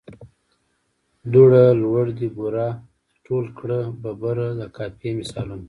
دوړه، لوړ دي، بوره، ټول کړه، ببره د قافیې مثالونه.